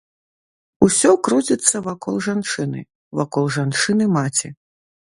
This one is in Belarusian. Усё круціцца вакол жанчыны, вакол жанчыны-маці.